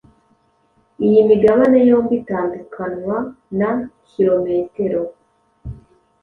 Iyi migabane yombi itandukanwa na kirometero